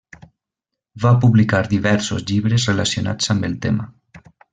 Va publicar diversos llibres relacionats amb el tema.